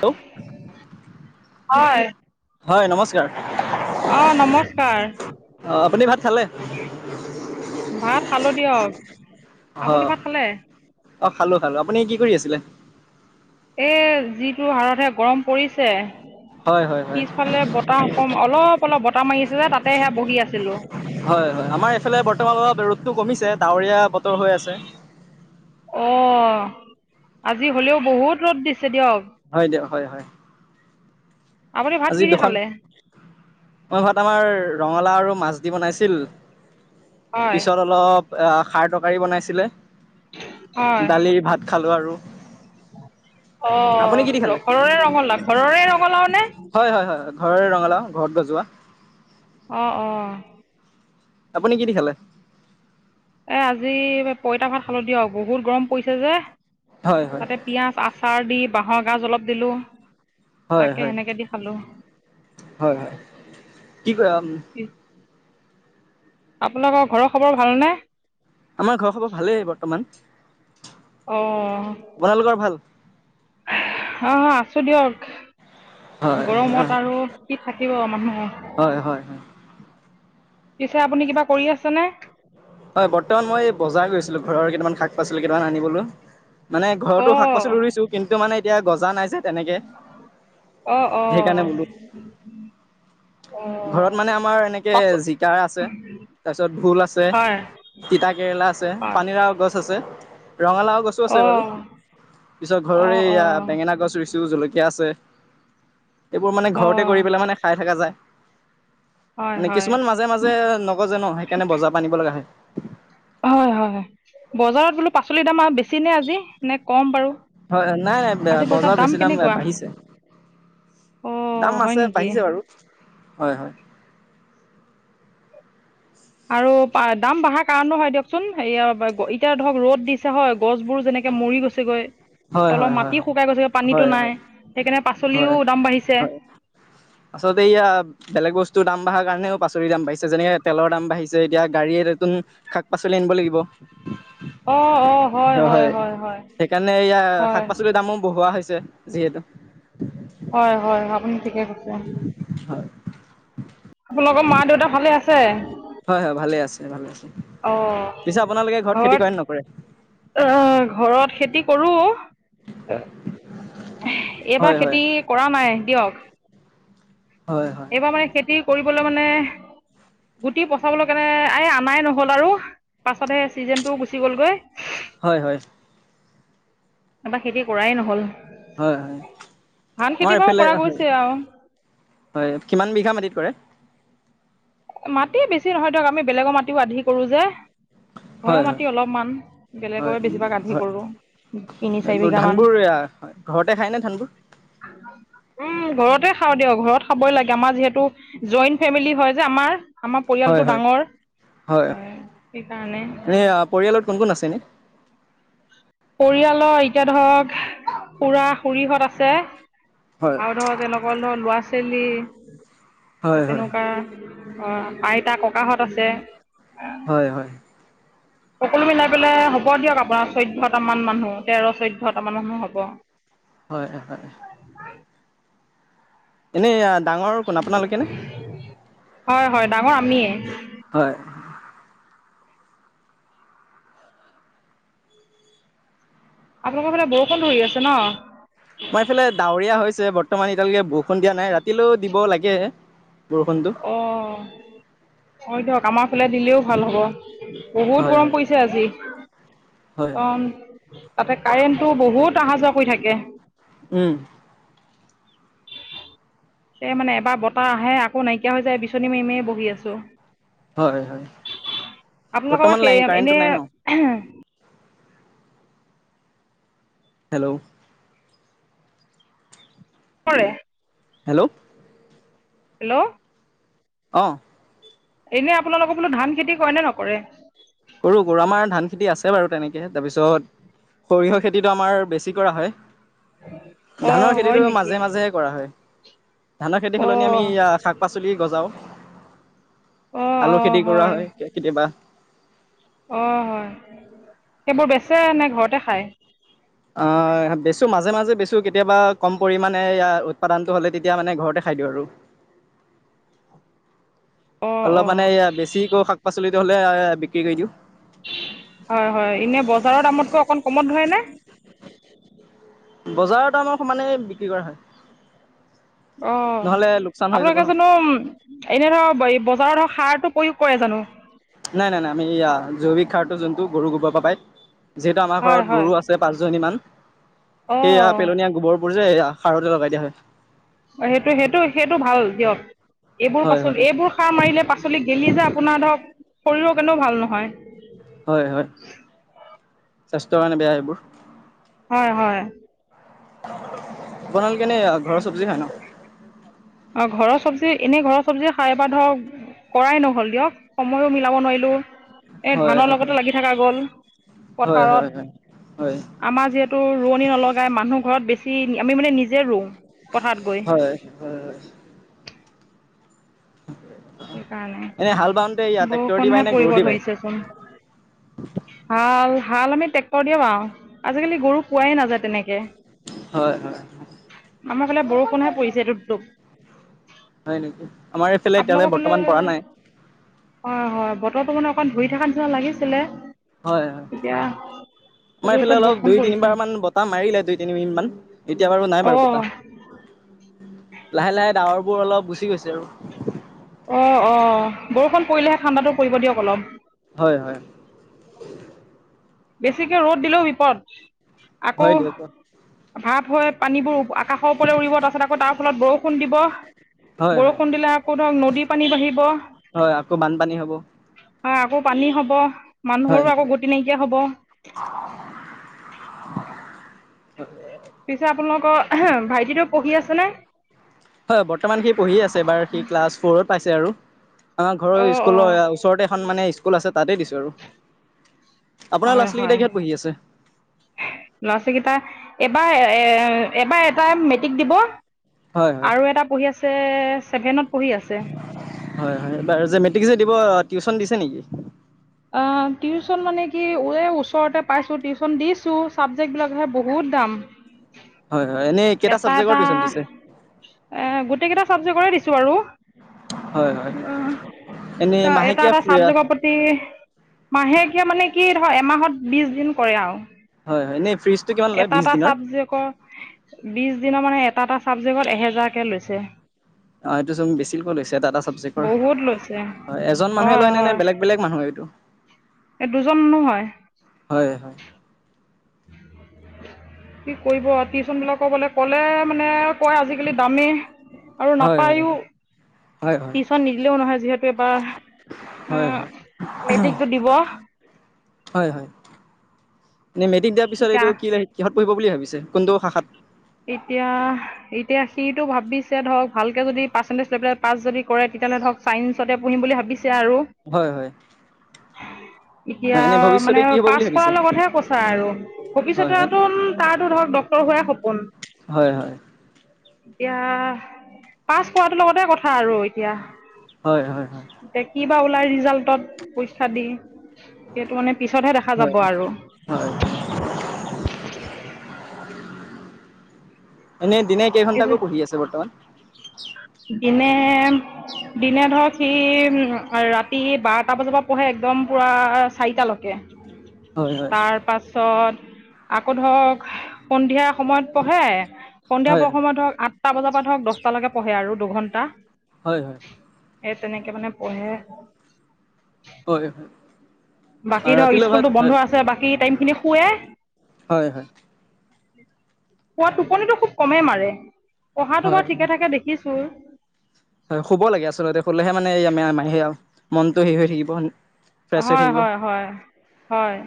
Hello হয়। হয় নমস্কাৰ। অ' নমস্কাৰ। অ' আপুনি ভাত খালে? ভাত খালো দিয়ক। আপুনি হয় ভাত খালে? অ' খালো খালো। আপুনি কি কৰি আছিলে? এ যিটো হাৰ়তহে গৰম পৰিছে। হয় হয় হয় পিছফালে বতাহ অকম অলপ অলপ বতাহ মাৰি আছে যে তাতে সে বহি আছিলো। হয় হয় আমাৰ এইফালে বৰ্তমানৰ অলপ ৰ'দতো টো কমিছে ডাৱৰীয়া বতৰ হৈ আছে। অ' আজি হ'লেও বহুত ৰ'দ দিছে দিয়ক। হয় দিয়ক হয় হয়। আপুনি ভাত আজি কি দি দুখন খালে মই ভাত আমাৰ ৰঙালা আৰু মাছ দিবনাইছিল হয় পিছত অলপ আহ খাৰ তৰকাৰী বনাইছিলে হয় দালি ভাত খালোঁ আৰু আপুনি কি দি খালে অ' ঘৰৰে ৰঙালাও ঘৰৰে ৰঙালাও নে? হয় হয় ঘৰৰে ৰঙালাও ঘৰত গজোৱা। অ' অ' আপুনি কি দি খালে? এ আজি এই পইতা ভাত খালো দিয়ক বহুত গৰম পৰিছে যে। হয় হয় তাতে পিয়াঁজ, আচাৰ দি বাঁহৰ গাজ অলপ দিলোঁ হয় তাকে হয় সেনেকে দি খালো। হয় হয় কি কৰা আপোনালোকৰ ঘৰৰ খবৰ ভালনে? আমাৰ ঘৰৰ খবৰ ভালেই বৰ্তমান। অ' আপোনালোকৰ ভাল হয় হয় আছো দিয়ক। হয় গৰমত আৰু কি থাকিব মানুহ। হয় হয় হয় পিছে আপুনি কিবা কৰি আছেনে? হয় বৰ্তমান মই এই বজাৰ গৈছিলো ঘৰৰ কেইটামান শাক পাচলি কেইটামান আনিবলৈ। মানে ঘৰতো শাক অঁ পাচলি ৰুইছো। কিন্তু মানে এতিয়া গজা নাই যে। তেনেকে, অঁ অঁ সেইকাৰণে বোলো অঁ ঘৰত মানে আমাৰ এনেকে পাছত জিকা আছে, তাৰপিছত ভোল আছে। হয় তিতা কেৰেলা আছে, হয় পানীলাওৰ গছ আছে। ৰঙালাও গছো আছে বাৰু, অঁ পিছত অঁ ঘৰৰে এয়া অঁ বেঙেনা গছ ৰুইছোঁ, জলকীয়া আছে, এইবোৰ মানে ঘৰতে কৰি অঁ পেলাই মানে খাই থকা যায়। হয় মানে হয় কিছুমান মাজে মাজে নগজে ন, সেইকাৰণে বজাৰৰ পৰা আনিব লগা হয়। হয় হয় হয় বজাৰত বোলো পাচলিৰ দাম আৰু বেছি নে আজি নে কম বাৰু? হয় নাই নাই আজি বজাৰত বজাৰ বেছি দাম কেনেকুৱা বাঢ়িছে। দাম অঁ হয় আছে নেকি বাঢ়িছে বাৰু। হয় হয় আৰু দাম বঢ়াৰ কাৰণো হয় দিয়কচোন, এতিয়া ধৰক ৰ'দ দিছে হয় গছবোৰ যেনেকে কে মৰি গৈছেগৈ হয় হয় তলৰ হয় মাটি হয় শুকাই গৈছে, হয় পানীটো হয় নাই সেইকাৰণে হয় পাচলিও দাম বাঢ়িছে। হয় আচলতে এইয়া বেলেগ বস্তুৰ দাম দাম বাঢ়াৰ কাৰণেও পাচলি দাম বাঢ়িছে। যেনেকে তেলৰ দাম বাঢি এতিয়া গাড়ীয়ে নতুন শাক পাচলি আনিব লাগিব। অ অ হয় হয় হয় হয় মানে এয়া শাক হয় পাচলিৰ দামো বঢ়োৱা হৈছে যিহেতু হয় হয় আপুনি [unintelligible] হয় আপোনালোকৰ মা দেউতা ভালে আছে? হয়। হয়। ভালে আছে, ভালে আছে, অঁ পিছে আপোনালোকে ঘৰত খেতি কৰে নকৰে? অ ঘৰত খেতি কৰো, হয় এইবাৰ হয় খেতি কৰা নাই দিয়ক। হয় হয় এইবাৰ মানে খেতি কৰিবলৈ মানে গুটি পচাবলৈ কেনে, এই আনাই নহল আৰু পাছতহে চিজনটোও গুচি গলগৈ। হয়। হয়। এবাৰ খেতি কৰাই নহল। হয় হয় ধান আমাৰ খেতি বাও এইফালে কৰা হয় গৈছে আৰু। হয়। কিমান বিঘা মাটিত কৰে? মাটি বেছি নহয় ধৰক, আমি বেলেগৰ মাটিও আধি কৰো যে। হয় ঘৰৰ হয় মাটি অলপমান, হয় বেলেগৰে বেছিভাগ আধি হয় কৰো। এইবোৰ ধানবোৰ ঘৰতে খাই নে? ধানবোৰ উম। ঘৰতে খাওঁ দিয়া, ঘৰত খাবই লাগে আমাৰ যিহেতু জইণ্ট ফেমিলি হয় যে আমাৰ, আমাৰ হয় পৰিয়ালটো হয় ডাঙৰ। হয়। এনেই পৰিয়ালত কোন কোন আছে এনেই? পৰিয়ালৰ এতিয়া ধৰক খুৰা - খুৰীহঁত আছে। হয়। আৰু ধৰক, তেলোকৰ ধৰ লৰা ছোৱালী, হয় হয় তেনেকুৱা অ', আইতা ককাহঁত আছে। হয়-হয়। সকলো মিলাই পেলাই হ'ব দিয়ক, আপোনাৰ চৈধ্যটামান মানুহ, তেৰ' চৈধ্যটামান মানুহ হ'ব। হয়-হয়। এনেই, ডাঙৰ কোন, আপোনালোকে নে? হয়-হয়, ডাঙৰ আমিয়ে। হয়। আপোনালোকৰ ফালে বৰষুণ ধৰি আছে ন'? আমাৰ ইফালে ডাৱৰীয়া হৈছে, বৰ্তমান এতিয়ালৈকে বৰষুণ দিয়া নাই। ৰাতিলৈ দিব লাগে। বৰষুণটো অ। হয়, দিয়ক। আমাৰ ফালে দিলেও ভাল হব, বহুত হয় হয় গৰম পৰিছে আজি। হয়। অ', তাতে কাৰেণ্টটো বহুত অহা যোৱা কৰি থাকে। উম। হে মানে, এবাৰ বতাহ আহে আ ক' নাইকিয়া হৈ যায়, বিচনী মাৰি মাৰীয়ে বহি আছো। হয় হয় আপোনোকৰ বৰ্তমান বা, লাইন সেৰি কাৰেণ্টটো এনে নাই ন হেল্ল'। [inaudible] হেল্ল'। হেল্ল'। অ। এনেই আপোনালোকৰ বোলো, ধান খেতি কৰে নে নকৰে? কৰো-কৰো, আমাৰ ধান খেতি আছে বাৰু তেনেকে, তাৰপিছত সৰিয়হ খেতি টো, আমাৰ বেছি কৰা হয়। অঁ ধানৰ হয় খেতিটো নেকি মাজে-মাজেহে কৰা হয়। ধানৰ খেতি সলনি, আমি অঁ শাক-পাচলি গজাও। অ আলু অ খেতি কৰা হয়। কেতিয়াবা অ', হয়। সেইবোৰ বেচে নে, ঘৰতে খাই? অ', বেছু, মাজে-মাজে বেছু, কেতিয়াবা কম পৰিমানে উৎপাদনটো হ'লে, তেতিয়া মানে ঘৰতে খা খাই দিওঁ আৰু। অ অ অলপ মানে, বেছি হয়-হয়, এনে বজাৰৰ দামতকৈ অকণমান কমত ধৰেনে?। বজাৰৰ দামৰ সমানে, বিক্ৰী কৰা হয়। অ', নহ'লে লোকচান হৈ যাব ন। আপোনালোকে জানো, এনে ধৰক, বজাৰত ধৰক সাৰ টো, প্ৰয়োগ কৰে জানো। নাই-নাই-নাই, আমি জৈৱিক সাৰতটো যোনটো, গৰু গোবৰ পৰা পাই যিহেতু আমাৰ হয় ঘৰত হয় গৰু আছে পাঁচজনী মান। অ সেইয়া পেলনীয়া গোবৰবোৰ যে, এয়া সাৰতে, লগাই দিয়া হয়। অ', সেইটো-সেইটো-সেইটো, ভাল দিয়ক। এইবোৰ হয় পাচলি, হয় এইবোৰ সাৰ মাৰিলে পাচলি গেলি যে, আপোনাৰ ধৰ, শৰীৰৰ কাৰ'নেও ভাল নহয়। চেষ্ট কাৰণে, বেয়া এইবোৰ। হয়-হয়। আপোনালোকে এনে, ঘৰৰ চবজি খাই ন'?। অ', ঘৰৰ চব্জি, এনেই ঘৰৰ চব্জিএ খাই বা ধৰ, কৰাই নহল দিয়ক, সময়ো মিলাব নোৱাৰিলো। [inaudible] এ ধানৰ হয় লগতে লাগি থকা গ'ল, হয় হয় হয় পথাৰত। হয় হয় আমাৰ যিহেতু ৰোৱনি নলগাই, মানুহ ঘৰত বেছি, আমি মানে নিজে ৰুওঁ। পথাৰত গৈ হয়-হয়-হয়। সেইকাৰণে, এনে হাল বাওঁতে ইয়া ট্ৰেক্টৰ দি বায় বৰষুণহে নে গৰু পৰিব দি বায়? ধৰিছেচোন। হাল-হাল, আমি ট্ৰেক্টৰ দিয়া বাওঁ। আজিকালি গৰু, পোৱাই নাযায় তেনেকে। হয় হয় আমাৰ ফালে বৰষুণহে পৰিছে টুপ টুপ হয় নেকি? আমাৰ এইফালে এতিয়ালৈ আপোনলোকৰ ফলে বৰ্তমান পৰা নাই হয় হয় বতৰটো মানে ধৰি থকা নিচিনা লাগিছিলে হয় হয় এতিয়া আজিতো এইফালে অলপ বৰষুণ দুই পৰিছে তিনিবাৰ মান বতাহ মাৰিলে দুই তিনি মিনিট মান এতিয়া বাৰু নাই বাৰু অ বতাহ লাহে লাহে ডাৱৰবোৰ অলপ গুচি গৈছে আৰু অ অ বৰষুণ পৰিলেহে ঠাণ্ডাতো পৰিব দিয়ক অলপ হয় হয় বেছিকে ৰ'দ দিলেও বিপদ আকৌ হয় দিয়ক ভাৱ হয় পানীবোৰ আকাশৰ ওপৰলৈ উৰিব তাৰপাছত আকৌ তাৰ ফলত বৰষুণ দিব হয় হয়। বৰষুণ দিলে আকৌ ধৰক নদীৰ পানী বাঢ়িব হয় আকৌ বানপানী হ'ব হয় আকৌ পানী হব হয় মানুহৰো আকৌ হয়। গতি নাই [unintelligible] হ'ব পিছে আপোনালোকৰ ভাইটিতো পঢ়ি আছে নে? হয় বৰ্তমান সি পঢ়ি আছে এবাৰ সি ক্লাছ ফ'ৰত পাইছে আৰু আমাৰ ঘৰৰ অ', অ', স্কুলৰ ওচৰতে এখন মানে স্কুল আছে তাতে দিছো আৰু আপোনাৰ ল'ৰা হয়, ছোৱালীকেইটা হয়, কিহত পঢ়ি আছে? লৰা ছোৱালীকেইটা এবাৰ এ এবাৰ এটায়ে মেট্ৰিক দিব হয় হয় আৰু এটা পঢ়ি আছে চেভেনত। হয় হয় এইবাৰ যে মেট্ৰিক দিব টিউচন দিছে নেকি? অ টিউচন মানে কি এই ওচৰতে পাইছো টিউচন দিছো চাবজেক্ট বিলাকহে বহুত দাম হয় হয় এনেই কেইটা এটা চাবজেক্টৰ এটা টিউচন দিছে এ গোটেই কেইটা চাবজেক্টৰে দিছো আৰু হয় হয় উম, এনে ত' এটা মাহেকীয়া এটা চাবজেগৰ প্ৰতি মাহেকীয়া মানে কি [unintelligible] এমাহত বিশ দিন কৰে আৰু হয় হয় এনেই ফিজটো কিমান লয় এটা বিশ এটা দিনৰ চাবজেকৰ বিচ দিনৰ মানে এটা এটা ছাবজেক্টত এহেজাৰকে লৈছে অ', এইটো চোন বেছি কৈ লৈছে এটা এটা চাবজেকৰ। বহুত লৈছে হয়, এজন মানুহে হয় লয় নে নে হয় বেলেগ বেলেগ মানুহে এইটো? এই দুজন মানুহ হয় হয়, কি কৰিব টিউশ্যন বিলাকৰ বোলে কলে মানে কয় আজিকালি দামে আৰু হয় নাপায়ো হয় হয় হয় টিউচন নিদিলেও নহয় যিহেতু এইবাৰ উ, হয় হয় মেট্ৰিকটো দিব হয়, হয় এ মেট্ৰিক দিয়াৰ পিছত এতিয়া এইটো কি সহত পঢ়িব বুলি ভাবিছে কোনটো শাখাত? এতিয়া-এতিয়া সিটো ভাবিছে ধৰক ভালকে যদি পাৰ্চেণ্টেজ লৈ পেলাই পাছ যদি কৰে তেনে ধক চাইঞ্চতে পঢ়ম বুলি ভাবিছে আৰু হয় হয় [inaudible] এতিয়া হয় এনে মানে ভৱিষ্যতে কি হ'ব পাছ বুলি ভাবিছে কৰাৰ লগতহে কৈছা আৰু হয় ভৱিষ্যতে তাৰটো ধৰক ডক্টৰ হোৱায়ে সপোন হয় হয় এতিয়া পাছ কৰাটো লগতে কথা আৰু এতিয়া হয়, হয় কিবা ওলাই ৰিজাল্টত পইচা দি সেইটো মানে পিছতহে দেখা হয় হয় যাব আৰু হয় এনেই দিনে কেইঘন্টাকৈ আৰু পঢ়ি আছে বৰ্তমান? দিনে [inaudible] দিনে ধৰক সি ৰাতি বাৰটা বজাৰ পৰা পঢ়ে একদম পূৰা চাৰিটালৈকে। হয় হয় তাৰ পাছত আকৌ ধৰক সন্ধিয়া সময়ত পঢ়ে সন্ধিয়া হয় প সময়ত হওক আঠটা বজাৰ পৰা ধৰক দশটালৈকে পঢ়ে আৰু দুঘন্টা। হয়, সেই তেনেকে মানে পঢ়ে। হয়, আৰু বাকী ধৰক ৰাতিলৈ ভাত স্কুলটো হয় বন্ধ আছে বাকী টাইম খিনি শুৱে। হয়, হয়। পোৱা টোপনিটো খুব কমেই মাৰে পঢ়াটো হয় বাৰু ঠিকে থঠাকে দেখিছো। [unintelligible] হয় শুব লাগে আচলতে, শুলেহে মানে [unintelligible] মনটো হেৰি হৈ থাকিব ফ্ৰেছ হৈ হয়, থাকিব হয়, হয়, হয়,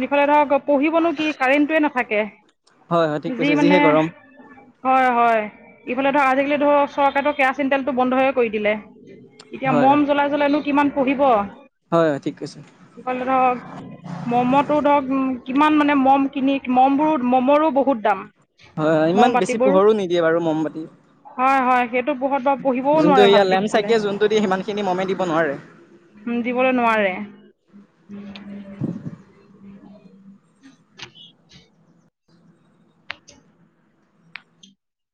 নিফালে ধৰক পঢ়িবনো কি কাৰেণ্টোয়ে নাথাকে। হয় হয় ঠিক যি কৈছে যিহে মানে, গৰম হয়, হয়। ইফালে ধৰ আজিকালি ধৰক চৰকাৰেতো কেৰাচিন তেলটো বন্ধইে কৰি দিলে। এতিয়া হয় মম জ্বলাই জ্বলাইনো কিমান পঢ়িব? হয়, হয়, ঠিক আছে ক ধৰক মমতো ধৰক দাম হয়, মম ইমান বেছি বাতিবোৰ পোহৰো নিদিয়ে বাৰু মমবাতি। হয় হয় সেইটো পঢ়ত বাৰু পঢ়িবও যোনটো নোৱাৰে এয়া ভালকে লেম্প সিফালে। চাকিয়ে যোনটো দিয়ে সিমানখিনি মমে দিব নোৱাৰে নাৰে। [inaudible]